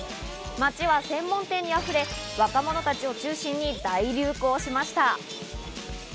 街は専門店に溢れ、若者たちを中心に大流行しました。